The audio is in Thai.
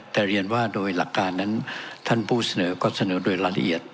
แต่เรียนว่าโดยหลักการนั้นท่านผู้เสนอก็เสนอโดยรายละเอียด